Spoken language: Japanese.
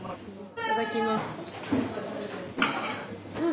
いただきます。